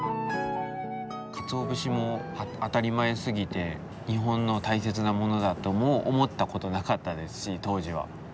鰹節も当たり前すぎて日本の大切なものだとも思った事なかったですし当時は。